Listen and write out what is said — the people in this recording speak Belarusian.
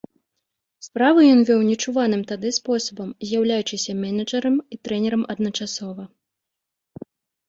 Справы ён вёў нечуваным тады спосабам, з'яўляючыся менеджарам і трэнерам адначасова.